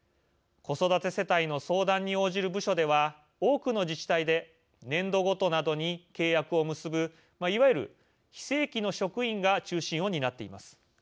子育て世帯の相談に応じる部署では多くの自治体で年度ごとなどに契約を結ぶいわゆる非正規の職員が中心を担っています。